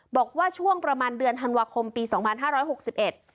บอกว่าช่วงประมาณเดือนธันวาคมปีสองพันห้าร้อยหกสิบเอ็ด